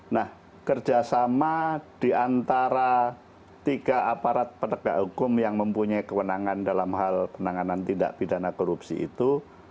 nah kerjasama di antara tiga aparat penegak hukum yang mempunyai kewenangan dalam hal penanganan tindak pidana korupsi itu